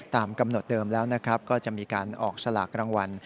ตามกำหนดเดิมแล้วนะครับก็จะมีการออกสลากรางวัล